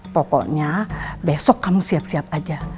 pokoknya besok kamu siap siap aja